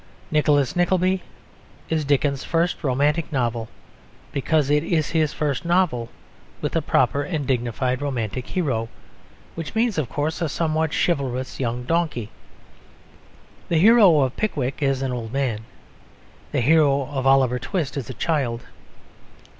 Nicholas Nickleby is Dickens's first romantic novel because it is his first novel with a proper and dignified romantic hero; which means, of course, a somewhat chivalrous young donkey. The hero of Pickwick is an old man. The hero of Oliver Twist is a child.